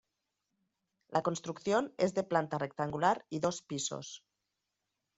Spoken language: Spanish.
La construcción es de planta rectangular y dos pisos.